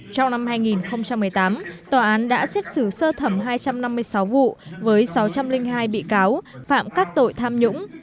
trong năm hai nghìn một mươi tám tòa án đã xét xử sơ thẩm hai trăm năm mươi sáu vụ với sáu trăm linh hai bị cáo phạm các tội tham nhũng